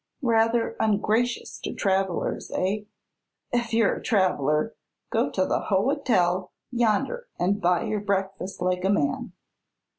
"Rather ungracious to travelers, eh?" "Ef you're a traveler, go to the hoe tel yonder an' buy your breakfas' like a man."